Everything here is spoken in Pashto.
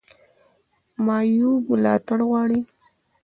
معیوب ملاتړ غواړي